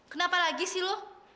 kenapa lagi sih lu